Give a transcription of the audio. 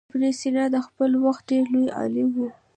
ابن سینا د خپل وخت ډېر لوی عالم و.